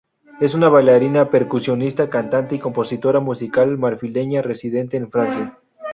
Es una bailarina, percusionista, cantante y compositora musical marfileña residente en Francia.